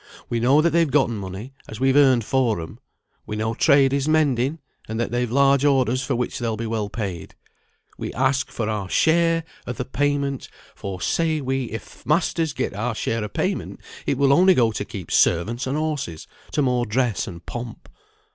We know that they've gotten money, as we've earned for 'em; we know trade is mending, and that they've large orders, for which they'll be well paid; we ask for our share o' th' payment; for, say we, if th' masters get our share of payment it will only go to keep servants and horses, to more dress and pomp.